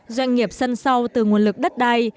doanh nghiệp sân sau từ nguồn lực đất đai